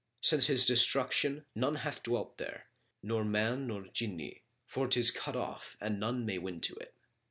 Since his destruction, none hath dwelt there, nor man nor Jinni, for 'tis cut off[FN#39] and none may win to it.